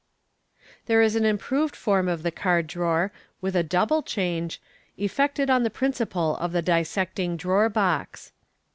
There is an improved form of the card drawer, with a double change, effected on the principle of the dissecting drawer box.